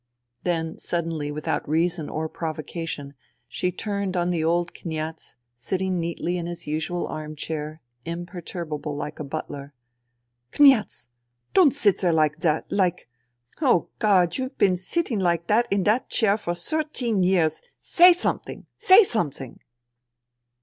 Then, suddenly, without reason or provocation, she turned on the old Kniaz, sitting neatly in his usual arm chair, imperturbable like a butler :" Kniaz ! Don't sit there like that, like ... Oh, God, you've been sitting like that in that chair for thirteen years. ... Say something ! Say something